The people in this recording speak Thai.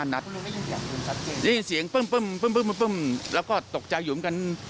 นี่เสียงปึ้มแล้วก็ตกใจอยู่เหมือนกัน